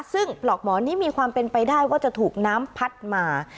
ซึ่งปลอกหมอนนี้มีความเป็นไปได้ว่าจะถูกน้ำพัดมา